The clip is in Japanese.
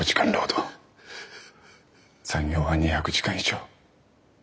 残業は２００時間以上。